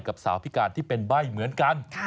กับสาวพิการที่เป็นใบ้เหมือนกัน